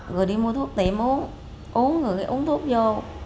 rồi đi mua thuốc tìm uống uống rồi uống thuốc vô